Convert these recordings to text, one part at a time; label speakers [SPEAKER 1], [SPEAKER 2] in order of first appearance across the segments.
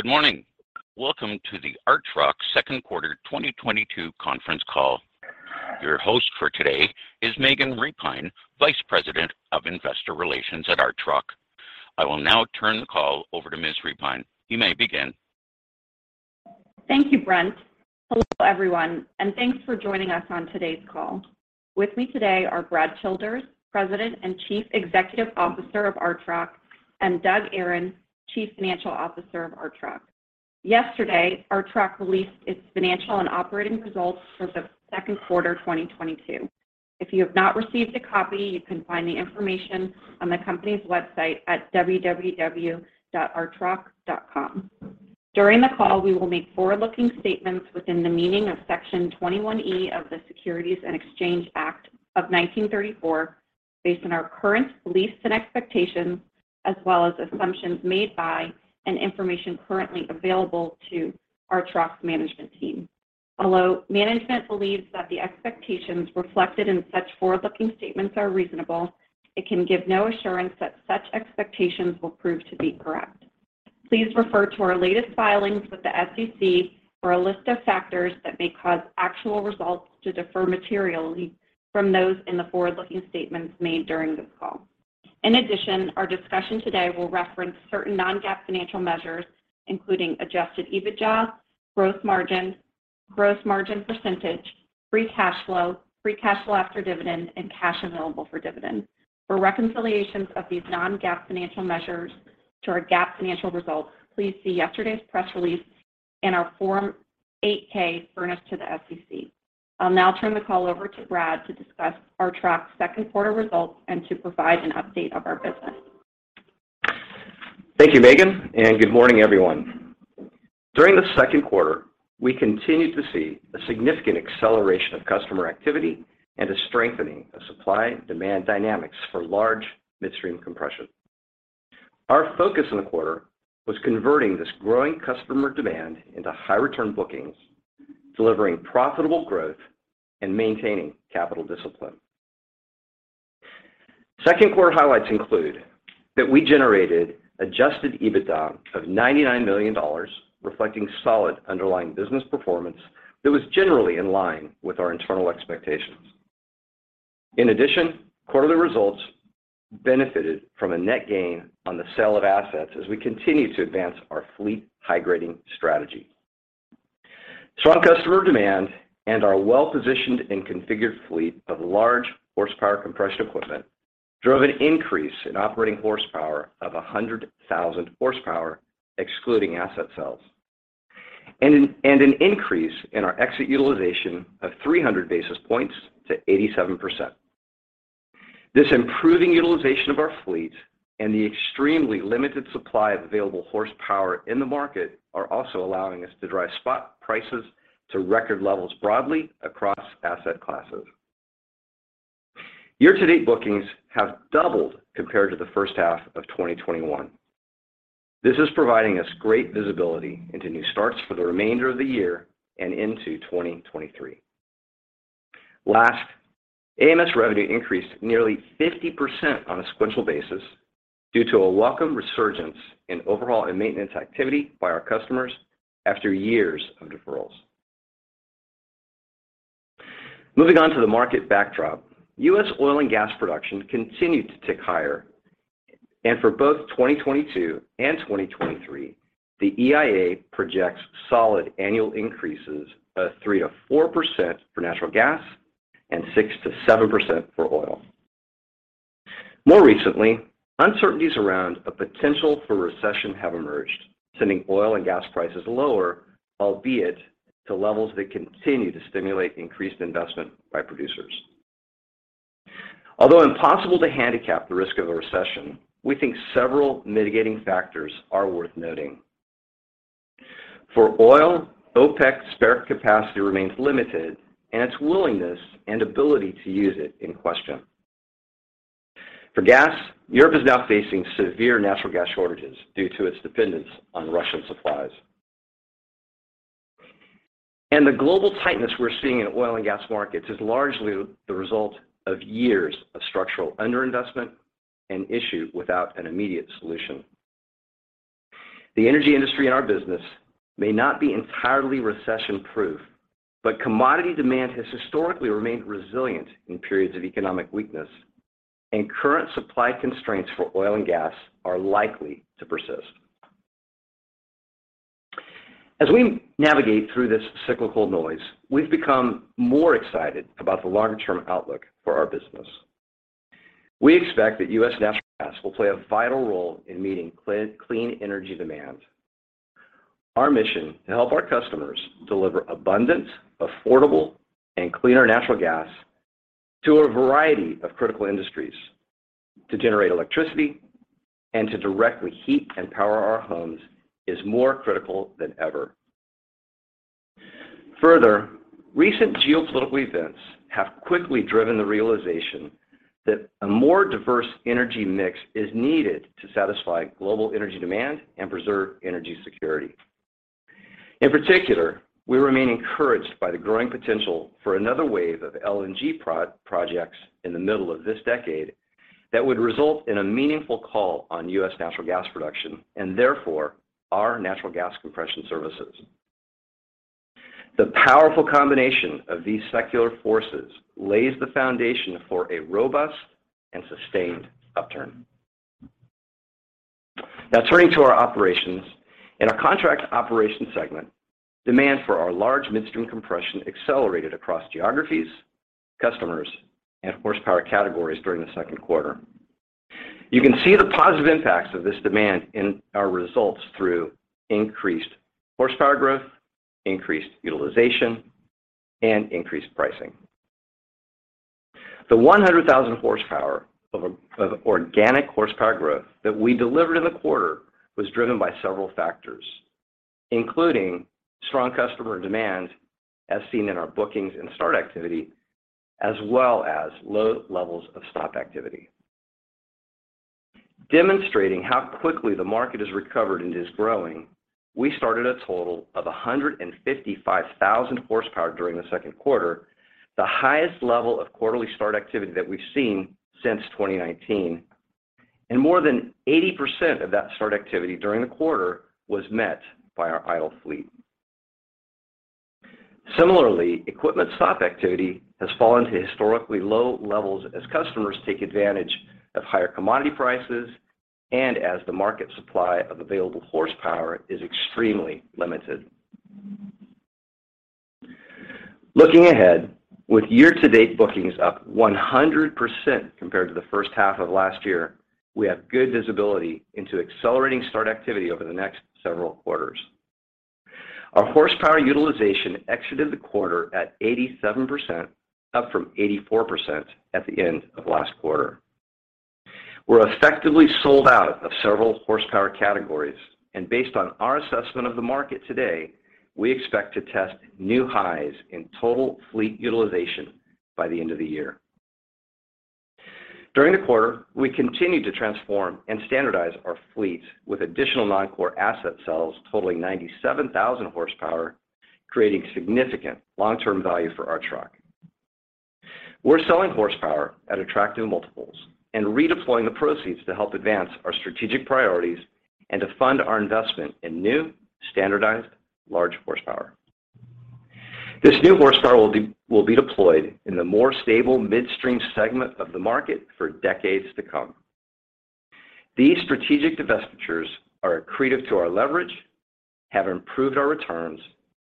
[SPEAKER 1] Good morning. Welcome to the Archrock second quarter 2022 conference call. Your host for today is Megan Repine, Vice President of Investor Relations at Archrock. I will now turn the call over to Ms. Repine. You may begin.
[SPEAKER 2] Thank you, Brent. Hello, everyone, and thanks for joining us on today's call. With me today are Brad Childers, President and Chief Executive Officer of Archrock, and Doug Aron, Chief Financial Officer of Archrock. Yesterday, Archrock released its financial and operating results for the second quarter 2022. If you have not received a copy, you can find the information on the company's website at www.archrock.com. During the call, we will make forward-looking statements within the meaning of Section 21E of the Securities Exchange Act of 1934 based on our current beliefs and expectations as well as assumptions made by and information currently available to Archrock's management team. Although management believes that the expectations reflected in such forward-looking statements are reasonable, it can give no assurance that such expectations will prove to be correct. Please refer to our latest filings with the SEC for a list of factors that may cause actual results to differ materially from those in the forward-looking statements made during this call. In addition, our discussion today will reference certain non-GAAP financial measures, including adjusted EBITDA, gross margin, gross margin percentage, free cash flow, free cash flow after dividend, and cash available for dividend. For reconciliations of these non-GAAP financial measures to our GAAP financial results, please see yesterday's press release and our Form 8-K furnished to the SEC. I'll now turn the call over to Brad to discuss Archrock's second quarter results and to provide an update of our business.
[SPEAKER 3] Thank you, Megan, and good morning, everyone. During the second quarter, we continued to see a significant acceleration of customer activity and a strengthening of supply-demand dynamics for large midstream compression. Our focus in the quarter was converting this growing customer demand into high-return bookings, delivering profitable growth, and maintaining capital discipline. Second quarter highlights include that we generated adjusted EBITDA of $99 million, reflecting solid underlying business performance that was generally in line with our internal expectations. In addition, quarterly results benefited from a net gain on the sale of assets as we continue to advance our fleet high-grading strategy. Strong customer demand and our well-positioned and configured fleet of large horsepower compression equipment drove an increase in operating horsepower of 100,000 horsepower, excluding asset sales, and an increase in our exit utilization of 300 basis points to 87%. This improving utilization of our fleet and the extremely limited supply of available horsepower in the market are also allowing us to drive spot prices to record levels broadly across asset classes. Year-to-date bookings have doubled compared to the first half of 2021. This is providing us great visibility into new starts for the remainder of the year and into 2023. Last, AMS revenue increased nearly 50% on a sequential basis due to a welcome resurgence in overhaul and maintenance activity by our customers after years of deferrals. Moving on to the market backdrop, U.S. oil and gas production continued to tick higher. For both 2022 and 2023, the EIA projects solid annual increases of 3%-4% for natural gas and 6%-7% for oil. More recently, uncertainties around a potential for recession have emerged, sending oil and gas prices lower, albeit to levels that continue to stimulate increased investment by producers. Although impossible to handicap the risk of a recession, we think several mitigating factors are worth noting. For oil, OPEC spare capacity remains limited and its willingness and ability to use it in question. For gas, Europe is now facing severe natural gas shortages due to its dependence on Russian supplies. The global tightness we're seeing in oil and gas markets is largely the result of years of structural underinvestment, an issue without an immediate solution. The energy industry and our business may not be entirely recession-proof, but commodity demand has historically remained resilient in periods of economic weakness, and current supply constraints for oil and gas are likely to persist. As we navigate through this cyclical noise, we've become more excited about the longer-term outlook for our business. We expect that U.S. natural gas will play a vital role in meeting clean energy demand. Our mission to help our customers deliver abundant, affordable, and cleaner natural gas to a variety of critical industries to generate electricity and to directly heat and power our homes is more critical than ever. Further, recent geopolitical events have quickly driven the realization that a more diverse energy mix is needed to satisfy global energy demand and preserve energy security. In particular, we remain encouraged by the growing potential for another wave of LNG projects in the middle of this decade that would result in a meaningful call on U.S. natural gas production and therefore our natural gas compression services. The powerful combination of these secular forces lays the foundation for a robust and sustained upturn. Now turning to our operations. In our contract operations segment, demand for our large midstream compression accelerated across geographies, customers, and horsepower categories during the second quarter. You can see the positive impacts of this demand in our results through increased horsepower growth, increased utilization, and increased pricing. The 100,000 horsepower of organic horsepower growth that we delivered in the quarter was driven by several factors, including strong customer demand as seen in our bookings and start activity, as well as low levels of stop activity. Demonstrating how quickly the market has recovered and is growing, we started a total of 155,000 horsepower during the second quarter, the highest level of quarterly start activity that we've seen since 2019, and more than 80% of that start activity during the quarter was met by our idle fleet. Similarly, equipment stop activity has fallen to historically low levels as customers take advantage of higher commodity prices and as the market supply of available horsepower is extremely limited. Looking ahead, with year-to-date bookings up 100% compared to the first half of last year, we have good visibility into accelerating start activity over the next several quarters. Our horsepower utilization exited the quarter at 87%, up from 84% at the end of last quarter. We're effectively sold out of several horsepower categories, and based on our assessment of the market today, we expect to test new highs in total fleet utilization by the end of the year. During the quarter, we continued to transform and standardize our fleet with additional non-core asset sales totaling 97,000 horsepower, creating significant long-term value for Archrock. We're selling horsepower at attractive multiples and redeploying the proceeds to help advance our strategic priorities and to fund our investment in new, standardized large horsepower. This new horsepower will be deployed in the more stable midstream segment of the market for decades to come. These strategic divestitures are accretive to our leverage, have improved our returns,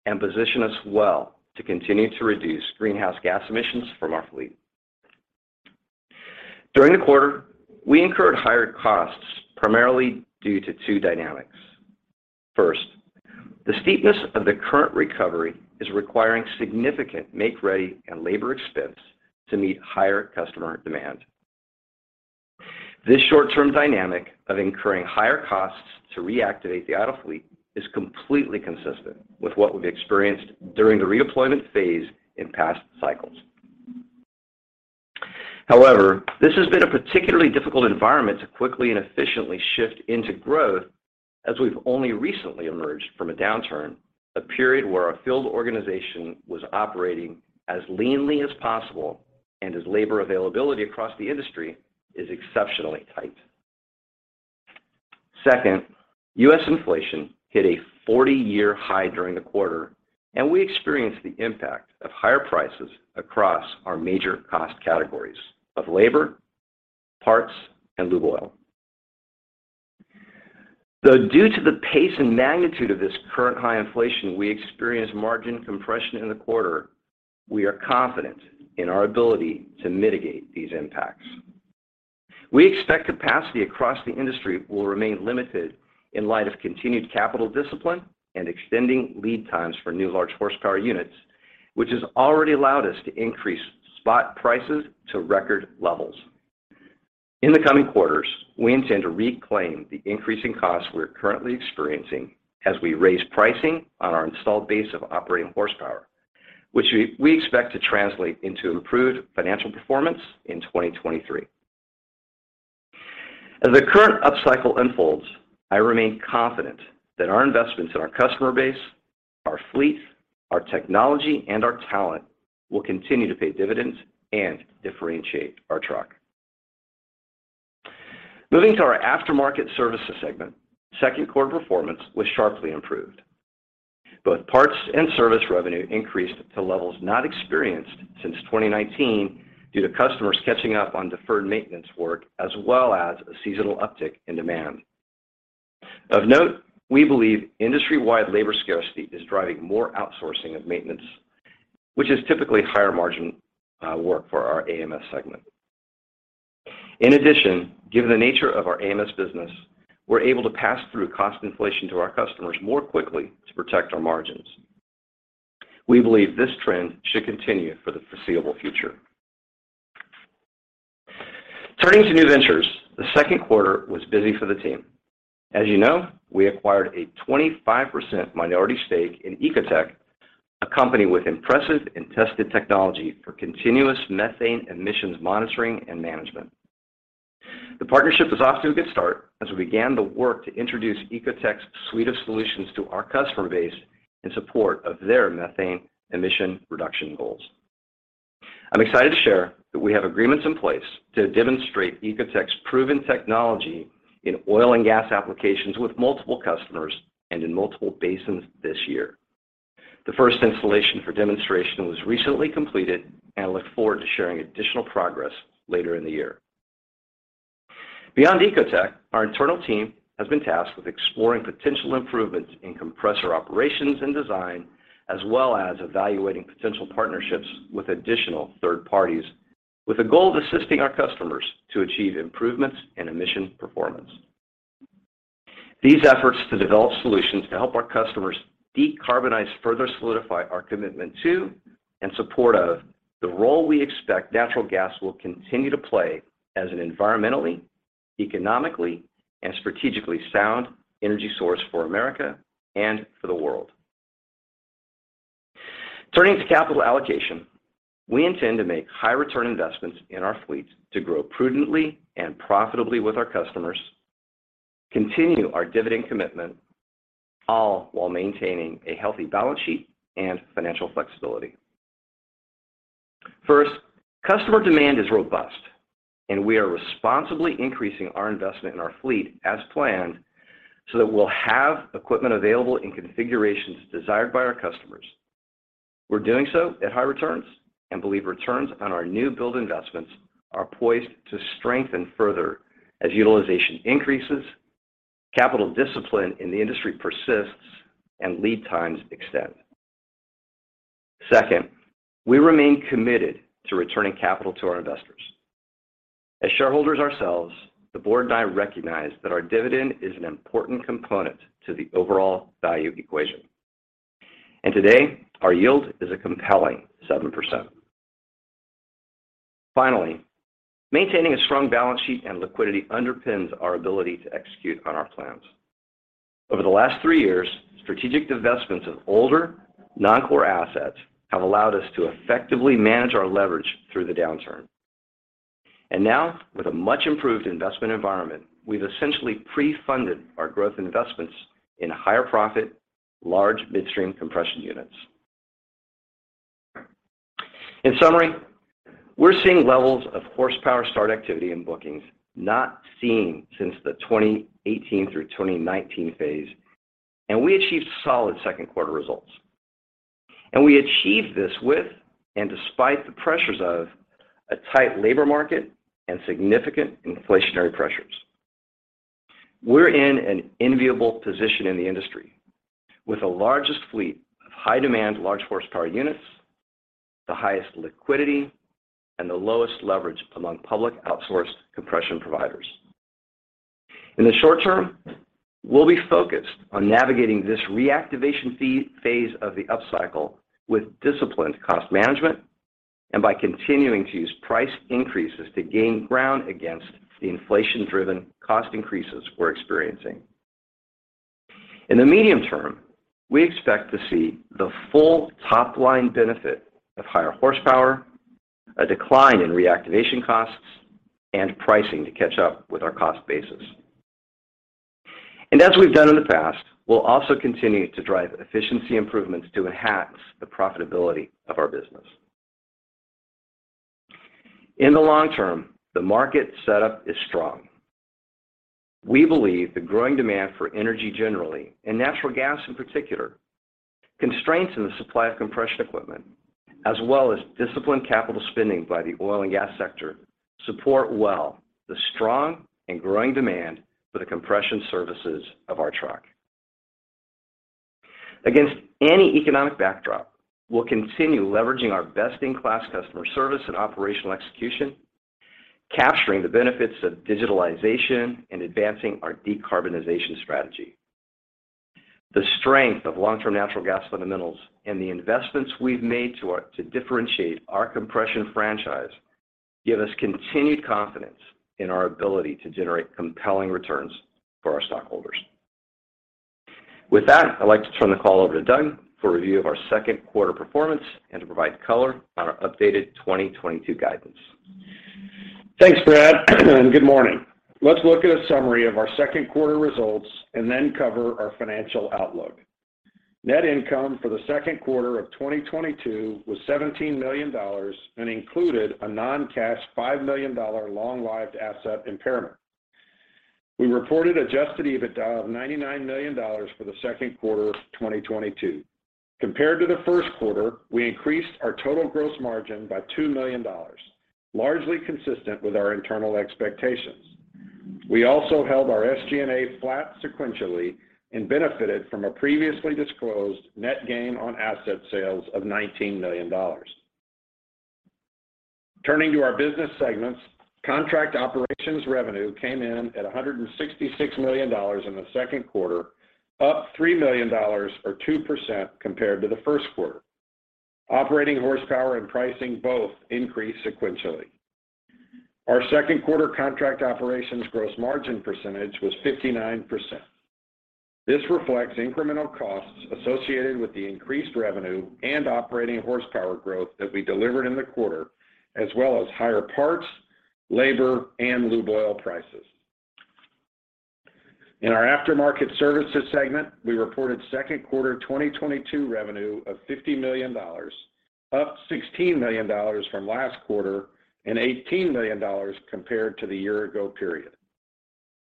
[SPEAKER 3] and position us well to continue to reduce greenhouse gas emissions from our fleet. During the quarter, we incurred higher costs primarily due to two dynamics. First, the steepness of the current recovery is requiring significant make-ready and labor expense to meet higher customer demand. This short-term dynamic of incurring higher costs to reactivate the auto fleet is completely consistent with what we've experienced during the redeployment phase in past cycles. However, this has been a particularly difficult environment to quickly and efficiently shift into growth as we've only recently emerged from a downturn, a period where our field organization was operating as leanly as possible and as labor availability across the industry is exceptionally tight. Second, U.S. inflation hit a 40-year high during the quarter, and we experienced the impact of higher prices across our major cost categories of labor, parts, and lube oil. Though due to the pace and magnitude of this current high inflation, we experienced margin compression in the quarter, we are confident in our ability to mitigate these impacts. We expect capacity across the industry will remain limited in light of continued capital discipline and extending lead times for new large horsepower units, which has already allowed us to increase spot prices to record levels. In the coming quarters, we intend to reclaim the increasing costs we are currently experiencing as we raise pricing on our installed base of operating horsepower, which we expect to translate into improved financial performance in 2023. As the current upcycle unfolds, I remain confident that our investments in our customer base, our fleet, our technology, and our talent will continue to pay dividends and differentiate Archrock. Moving to our aftermarket services segment, second quarter performance was sharply improved. Both parts and service revenue increased to levels not experienced since 2019 due to customers catching up on deferred maintenance work as well as a seasonal uptick in demand. Of note, we believe industry-wide labor scarcity is driving more outsourcing of maintenance, which is typically higher margin work for our AMS segment. In addition, given the nature of our AMS business, we're able to pass through cost inflation to our customers more quickly to protect our margins. We believe this trend should continue for the foreseeable future. Turning to new ventures, the second quarter was busy for the team. As you know, we acquired a 25% minority stake in Ecotec, a company with impressive and tested technology for continuous methane emissions monitoring and management. The partnership is off to a good start as we began the work to introduce Ecotec's suite of solutions to our customer base in support of their methane emission reduction goals. I'm excited to share that we have agreements in place to demonstrate Ecotec's proven technology in oil and gas applications with multiple customers and in multiple basins this year. The first installation for demonstration was recently completed, and I look forward to sharing additional progress later in the year. Beyond Ecotec, our internal team has been tasked with exploring potential improvements in compressor operations and design, as well as evaluating potential partnerships with additional third parties, with a goal of assisting our customers to achieve improvements in emission performance. These efforts to develop solutions to help our customers decarbonize further solidify our commitment to and support of the role we expect natural gas will continue to play as an environmentally, economically, and strategically sound energy source for America and for the world. Turning to capital allocation, we intend to make high return investments in our fleet to grow prudently and profitably with our customers, continue our dividend commitment, all while maintaining a healthy balance sheet and financial flexibility. First, customer demand is robust, and we are responsibly increasing our investment in our fleet as planned so that we'll have equipment available in configurations desired by our customers. We're doing so at high returns and believe returns on our new build investments are poised to strengthen further as utilization increases, capital discipline in the industry persists, and lead times extend. Second, we remain committed to returning capital to our investors. As shareholders ourselves, the board and I recognize that our dividend is an important component to the overall value equation. Today, our yield is a compelling 7%. Finally, maintaining a strong balance sheet and liquidity underpins our ability to execute on our plans. Over the last three years, strategic divestments of older, non-core assets have allowed us to effectively manage our leverage through the downturn. Now, with a much improved investment environment, we've essentially pre-funded our growth investments in higher profit, large midstream compression units. In summary, we're seeing levels of horsepower start activity in bookings not seen since the 2018 through 2019 phase, and we achieved solid second quarter results. We achieved this with and despite the pressures of a tight labor market and significant inflationary pressures. We're in an enviable position in the industry with the largest fleet of high demand, large horsepower units, the highest liquidity, and the lowest leverage among public outsourced compression providers. In the short term, we'll be focused on navigating this reactivation phase of the upcycle with disciplined cost management and by continuing to use price increases to gain ground against the inflation-driven cost increases we're experiencing. In the medium term, we expect to see the full top-line benefit of higher horsepower, a decline in reactivation costs, and pricing to catch up with our cost basis. As we've done in the past, we'll also continue to drive efficiency improvements to enhance the profitability of our business. In the long term, the market setup is strong. We believe the growing demand for energy generally, and natural gas in particular, constraints in the supply of compression equipment, as well as disciplined capital spending by the oil and gas sector support well the strong and growing demand for the compression services of Archrock. Against any economic backdrop, we'll continue leveraging our best-in-class customer service and operational execution, capturing the benefits of digitalization and advancing our decarbonization strategy. The strength of long-term natural gas fundamentals and the investments we've made to differentiate our compression franchise give us continued confidence in our ability to generate compelling returns for our stockholders. With that, I'd like to turn the call over to Doug for a review of our second quarter performance and to provide color on our updated 2022 guidance.
[SPEAKER 4] Thanks, Brad, and good morning. Let's look at a summary of our second quarter results and then cover our financial outlook. Net income for the second quarter of 2022 was $17 million and included a non-cash $5 million long-lived asset impairment. We reported adjusted EBITDA of $99 million for the second quarter of 2022. Compared to the first quarter, we increased our total gross margin by $2 million, largely consistent with our internal expectations. We also held our SG&A flat sequentially and benefited from a previously disclosed net gain on asset sales of $19 million. Turning to our business segments, contract operations revenue came in at $166 million in the second quarter, up $3 million or 2% compared to the first quarter. Operating horsepower and pricing both increased sequentially. Our second quarter contract operations gross margin percentage was 59%. This reflects incremental costs associated with the increased revenue and operating horsepower growth that we delivered in the quarter, as well as higher parts, labor, and lube oil prices. In our aftermarket services segment, we reported second quarter 2022 revenue of $50 million, up $16 million from last quarter and $18 million compared to the year ago period.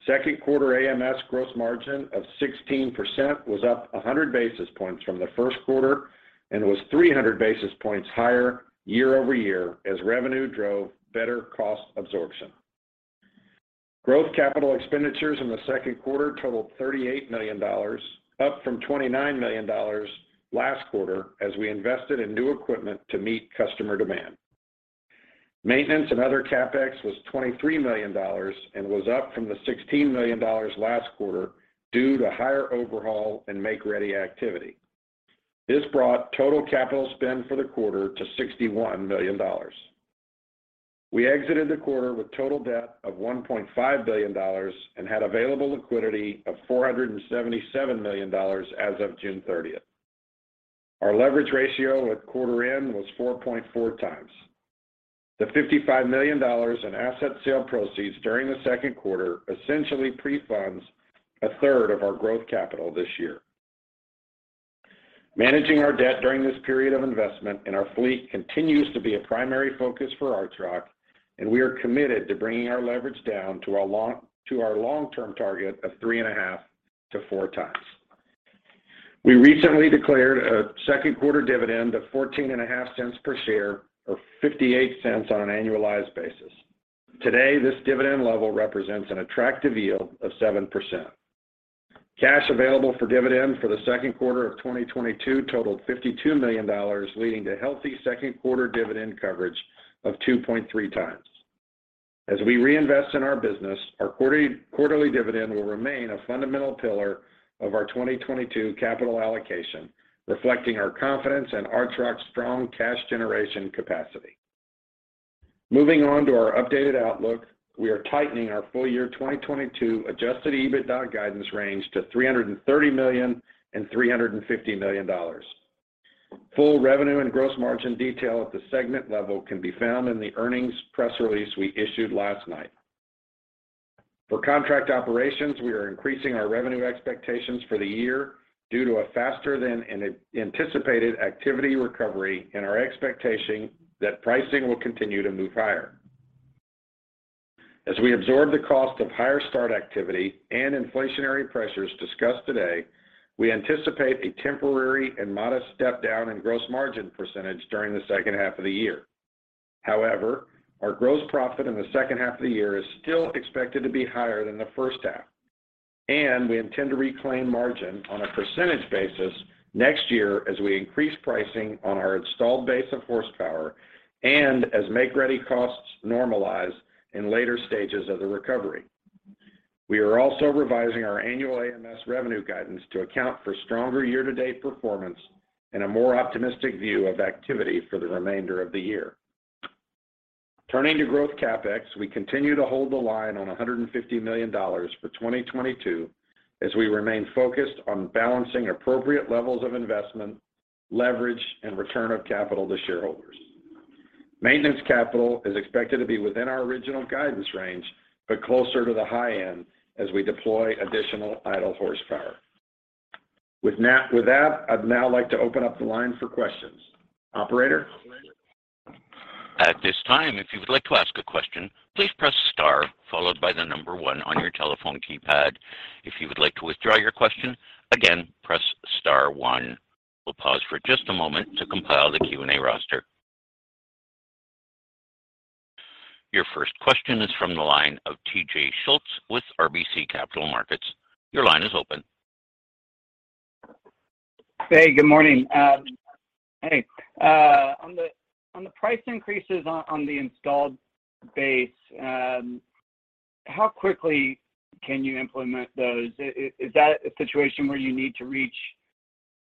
[SPEAKER 4] Second quarter AMS gross margin of 16% was up 100 basis points from the first quarter and was 300 basis points higher year-over-year as revenue drove better cost absorption. Growth capital expenditures in the second quarter totaled $38 million, up from $29 million last quarter as we invested in new equipment to meet customer demand. Maintenance and other CapEx was $23 million and was up from the $16 million last quarter due to higher overhaul and make-ready activity. This brought total capital spend for the quarter to $61 million. We exited the quarter with total debt of $1.5 billion and had available liquidity of $477 million as of June 30. Our leverage ratio at quarter end was 4.4 times. The $55 million in asset sale proceeds during the second quarter essentially pre-funds a third of our growth capital this year. Managing our debt during this period of investment in our fleet continues to be a primary focus for Archrock, and we are committed to bringing our leverage down to our long-term target of 3.5-4 times. We recently declared a second quarter dividend of $0.145 per share or $0.58 on an annualized basis. Today, this dividend level represents an attractive yield of 7%. Cash available for dividends for the second quarter of 2022 totaled $52 million, leading to healthy second quarter dividend coverage of 2.3 times. As we reinvest in our business, our quarterly dividend will remain a fundamental pillar of our 2022 capital allocation, reflecting our confidence in Archrock's strong cash generation capacity. Moving on to our updated outlook, we are tightening our full year 2022 adjusted EBITDA guidance range to $330 million-$350 million. Full revenue and gross margin detail at the segment level can be found in the earnings press release we issued last night. For contract operations, we are increasing our revenue expectations for the year due to a faster than anticipated activity recovery and our expectation that pricing will continue to move higher. As we absorb the cost of higher start activity and inflationary pressures discussed today, we anticipate a temporary and modest step down in gross margin percentage during the second half of the year. However, our gross profit in the second half of the year is still expected to be higher than the first half. We intend to reclaim margin on a percentage basis next year as we increase pricing on our installed base of horsepower and as make-ready costs normalize in later stages of the recovery. We are also revising our annual AMS revenue guidance to account for stronger year-to-date performance and a more optimistic view of activity for the remainder of the year. Turning to growth CapEx, we continue to hold the line on $150 million for 2022 as we remain focused on balancing appropriate levels of investment, leverage, and return of capital to shareholders. Maintenance capital is expected to be within our original guidance range, but closer to the high end as we deploy additional idle horsepower. With that, I'd now like to open up the line for questions. Operator?
[SPEAKER 1] At this time, if you would like to ask a question, please press star followed by the number 1 on your telephone keypad. If you would like to withdraw your question, again, press star 1. We'll pause for just a moment to compile the Q&A roster. Your first question is from the line of TJ Schultz with RBC Capital Markets. Your line is open.
[SPEAKER 5] Hey, good morning. Hey, on the price increases on the installed base, how quickly can you implement those? Is that a situation where you need to reach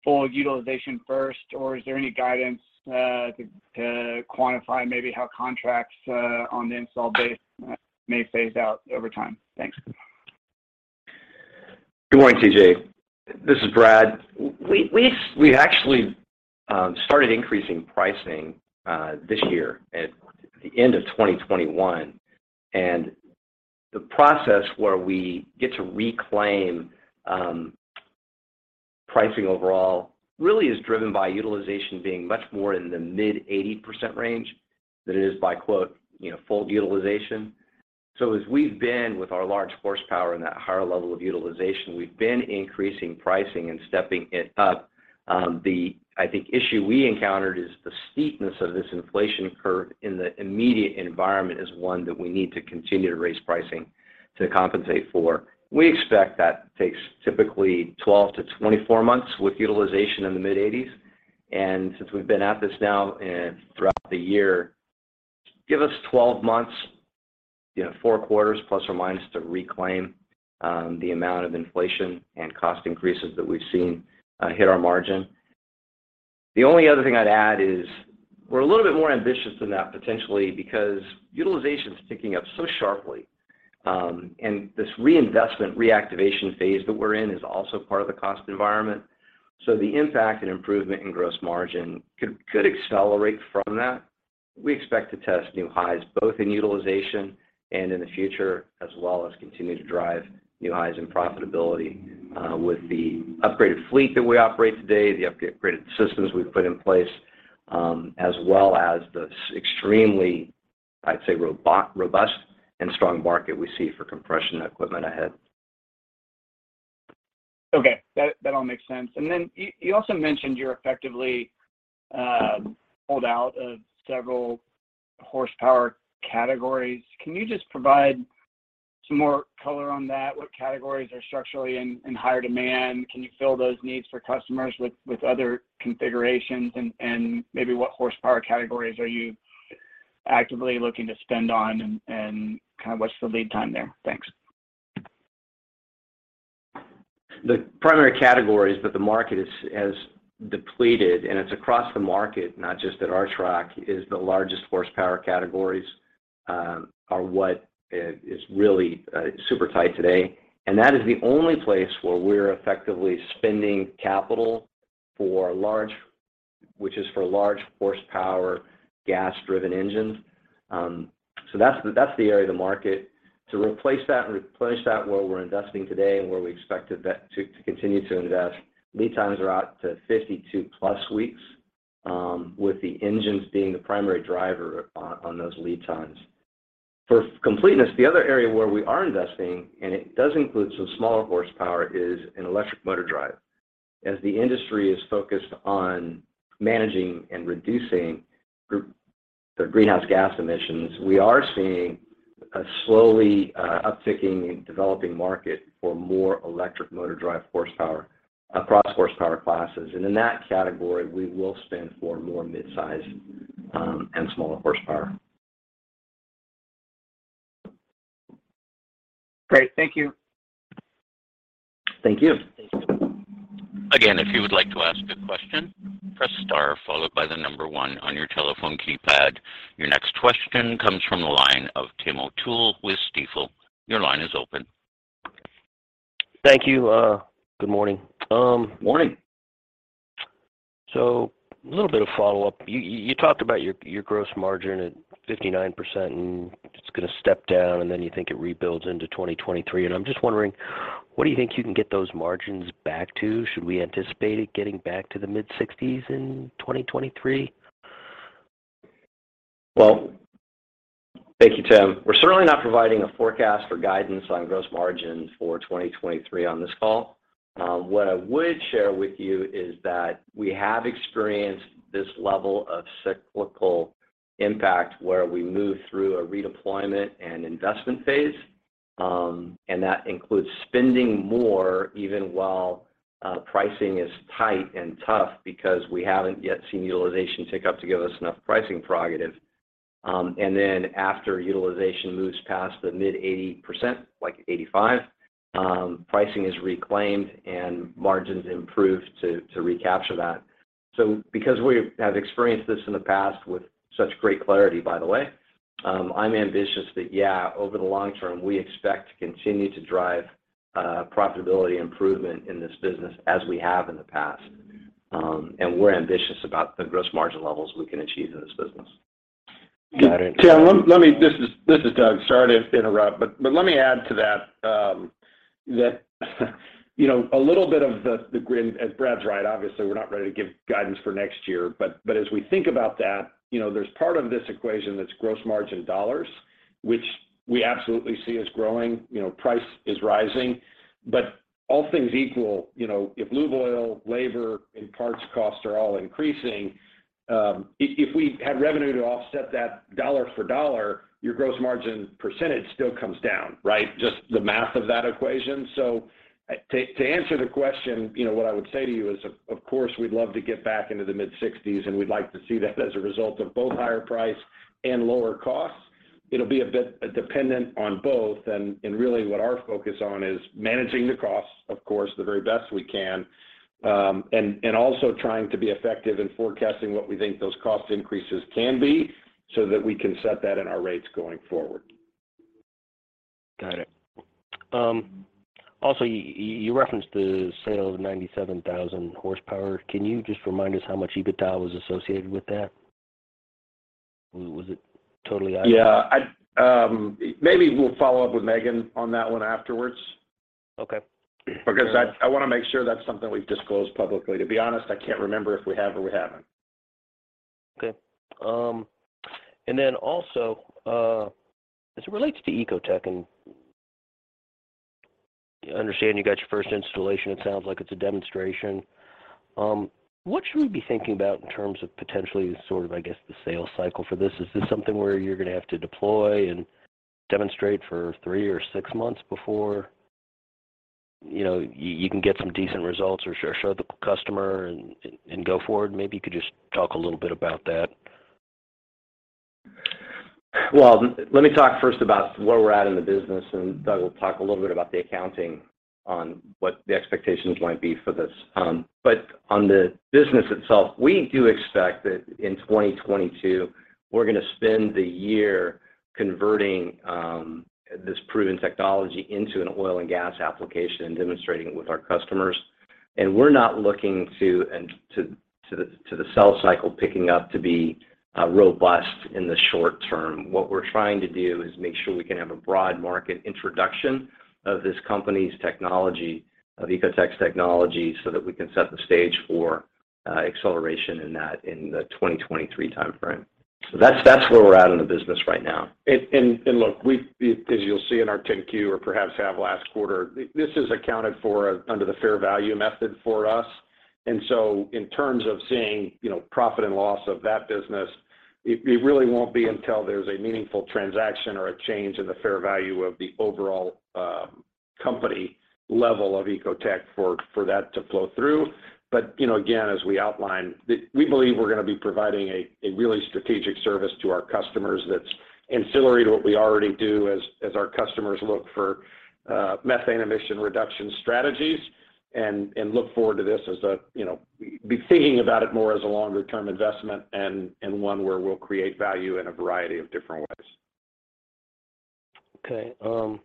[SPEAKER 5] full utilization first, or is there any guidance to quantify maybe how contracts on the installed base may phase out over time? Thanks.
[SPEAKER 3] Good morning, T.J. This is Brad. We actually started increasing pricing this year at the end of 2021. The process where we get to reclaim pricing overall really is driven by utilization being much more in the mid-80% range than it is by, you know, "full utilization." As we've been with our large horsepower and that higher level of utilization, we've been increasing pricing and stepping it up. I think the issue we encountered is the steepness of this inflation curve in the immediate environment is one that we need to continue to raise pricing to compensate for. We expect that takes typically 12-24 months with utilization in the mid-80s. Since we've been at this now, throughout the year, give us 12 months, you know, 4 quarters plus or minus to reclaim the amount of inflation and cost increases that we've seen hit our margin. The only other thing I'd add is we're a little bit more ambitious than that potentially because utilization is ticking up so sharply, and this reinvestment reactivation phase that we're in is also part of the cost environment. The impact and improvement in gross margin could accelerate from that. We expect to test new highs both in utilization and in the future, as well as continue to drive new highs in profitability, with the upgraded fleet that we operate today, the upgraded systems we've put in place, as well as the extremely, I'd say, robust and strong market we see for compression equipment ahead.
[SPEAKER 5] Okay. That all makes sense. You also mentioned you're effectively pulled out of several horsepower categories. Can you just provide some more color on that? What categories are structurally in higher demand? Can you fill those needs for customers with other configurations? Maybe what horsepower categories are you actively looking to spend on and kind of what's the lead time there? Thanks.
[SPEAKER 3] The primary categories that the market has depleted, and it's across the market, not just at Archrock, is the largest horsepower categories are what is really super tight today. That is the only place where we're effectively spending capital which is for large horsepower gas-driven engines. That's the area of the market. To replace that and replenish that, where we're investing today and where we expect to continue to invest, lead times are out to 52+ weeks, with the engines being the primary driver on those lead times. For completeness, the other area where we are investing, and it does include some smaller horsepower, is an electric motor drive. As the industry is focused on managing and reducing the greenhouse gas emissions, we are seeing a slowly upticking and developing market for more electric motor drive horsepower across horsepower classes. In that category, we will spend for more mid-size and smaller horsepower.
[SPEAKER 5] Great. Thank you.
[SPEAKER 3] Thank you.
[SPEAKER 1] Again, if you would like to ask a question, press star followed by the number one on your telephone keypad. Your next question comes from the line of Selman Akyol with Stifel. Your line is open.
[SPEAKER 6] Thank you. Good morning.
[SPEAKER 3] Morning.
[SPEAKER 6] A little bit of follow-up. You talked about your gross margin at 59%, and it's gonna step down, and then you think it rebuilds into 2023. I'm just wondering, what do you think you can get those margins back to? Should we anticipate it getting back to the mid-60s% in 2023?
[SPEAKER 3] Well, thank you, Selman Akyol. We're certainly not providing a forecast or guidance on gross margin for 2023 on this call. What I would share with you is that we have experienced this level of cyclical impact where we move through a redeployment and investment phase, and that includes spending more even while pricing is tight and tough because we haven't yet seen utilization tick up to give us enough pricing prerogative. Then after utilization moves past the mid-80%, like 85%, pricing is reclaimed and margins improve to recapture that. Because we have experienced this in the past with such great clarity, by the way, I'm ambitious that, yeah, over the long term, we expect to continue to drive profitability improvement in this business as we have in the past. We're ambitious about the gross margin levels we can achieve in this business.
[SPEAKER 6] Got it.
[SPEAKER 4] Selman, this is Doug. Sorry to interrupt, but let me add to that you know a little bit of the thing, as Brad's right, obviously, we're not ready to give guidance for next year, but as we think about that, you know, there's part of this equation that's gross margin dollars, which we absolutely see as growing. You know, price is rising. All things equal, you know, if lube oil, labor, and parts costs are all increasing, if we had revenue to offset that dollar for dollar, your gross margin percentage still comes down, right? Just the math of that equation. To answer the question, you know, what I would say to you is, of course, we'd love to get back into the mid-sixties, and we'd like to see that as a result of both higher price and lower costs. It'll be a bit dependent on both, and really what our focus on is managing the costs, of course, the very best we can, and also trying to be effective in forecasting what we think those cost increases can be so that we can set that in our rates going forward.
[SPEAKER 6] Got it. Also, you referenced the sale of 97,000 horsepower. Can you just remind us how much EBITDA was associated with that? Was it totally out-
[SPEAKER 4] Yeah. I, maybe we'll follow up with Megan on that one afterwards.
[SPEAKER 6] Okay.
[SPEAKER 4] Because I wanna make sure that's something we've disclosed publicly. To be honest, I can't remember if we have or we haven't.
[SPEAKER 6] Okay. Then also, as it relates to Ecotec, I understand you got your first installation. It sounds like it's a demonstration. What should we be thinking about in terms of potentially sort of, I guess, the sales cycle for this? Is this something where you're gonna have to deploy and demonstrate for three or six months before, you know, you can get some decent results or show the customer and go forward? Maybe you could just talk a little bit about that.
[SPEAKER 3] Well, let me talk first about where we're at in the business, and Doug will talk a little bit about the accounting on what the expectations might be for this. On the business itself, we do expect that in 2022, we're gonna spend the year converting this proven technology into an oil and gas application and demonstrating it with our customers. We're not looking to the sales cycle picking up to be robust in the short term. What we're trying to do is make sure we can have a broad market introduction of this company's technology, of Ecotec's technology, so that we can set the stage for acceleration in the 2023 timeframe. That's where we're at in the business right now.
[SPEAKER 4] Look, as you'll see in our 10-Q or perhaps in last quarter, this is accounted for under the fair value method for us. In terms of seeing, you know, profit and loss of that business, it really won't be until there's a meaningful transaction or a change in the fair value of the overall company level of Ecotec for that to flow through. You know, again, as we outlined, we believe we're gonna be providing a really strategic service to our customers that's ancillary to what we already do as our customers look for methane emission reduction strategies and look forward to this as a, you know, be thinking about it more as a longer-term investment and one where we'll create value in a variety of different ways.
[SPEAKER 6] Okay.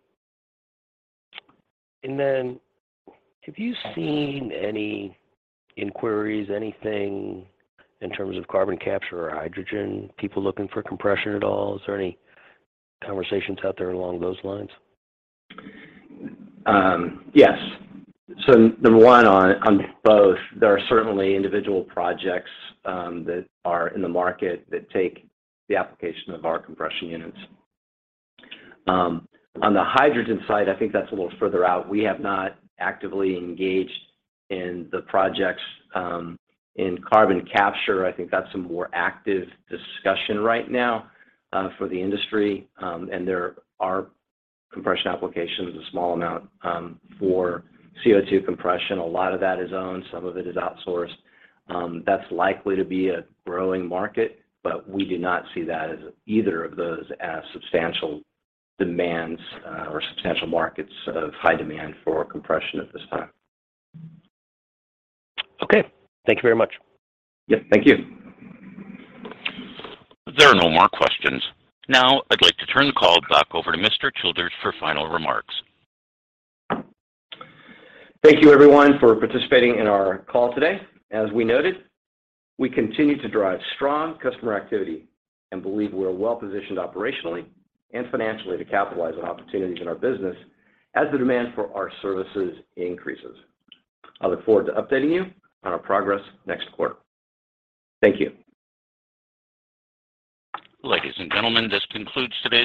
[SPEAKER 6] Have you seen any inquiries, anything in terms of carbon capture or hydrogen, people looking for compression at all? Is there any conversations out there along those lines?
[SPEAKER 3] Yes. Number one, on both, there are certainly individual projects that are in the market that take the application of our compression units. On the hydrogen side, I think that's a little further out. We have not actively engaged in the projects in carbon capture. I think that's a more active discussion right now for the industry. There are compression applications, a small amount, for CO2 compression. A lot of that is owned, some of it is outsourced. That's likely to be a growing market, but we do not see that as either of those as substantial demands or substantial markets of high demand for compression at this time.
[SPEAKER 6] Okay. Thank you very much.
[SPEAKER 3] Yep. Thank you.
[SPEAKER 1] There are no more questions. Now, I'd like to turn the call back over to Mr. Childers for final remarks.
[SPEAKER 3] Thank you everyone for participating in our call today. As we noted, we continue to drive strong customer activity and believe we're well-positioned operationally and financially to capitalize on opportunities in our business as the demand for our services increases. I look forward to updating you on our progress next quarter. Thank you.
[SPEAKER 1] Ladies and gentlemen, this concludes today's.